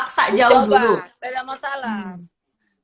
kayak dipaksa jauh dulu